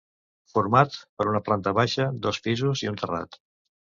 Format per una planta baixa, dos pisos i un terrat.